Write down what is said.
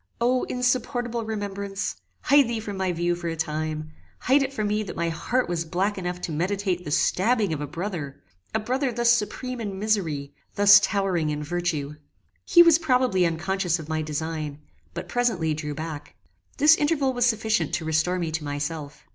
O, insupportable remembrance! hide thee from my view for a time; hide it from me that my heart was black enough to meditate the stabbing of a brother! a brother thus supreme in misery; thus towering in virtue! He was probably unconscious of my design, but presently drew back. This interval was sufficient to restore me to myself.